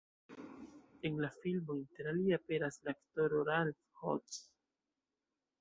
En la filmo interalie aperas la aktoro Ralph Hodges.